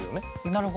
なるほど。